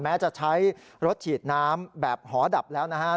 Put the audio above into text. แม้จะใช้รถฉีดน้ำแบบหอดับแล้วนะครับ